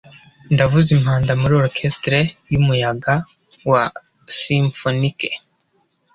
Ndavuza impanda muri orchestre yumuyaga wa simfonique